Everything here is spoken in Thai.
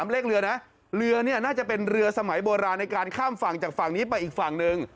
เลขเรือนะเรือเนี่ยน่าจะเป็นเรือสมัยโบราณในการข้ามฝั่งจากฝั่งนี้ไปอีกฝั่งหนึ่ง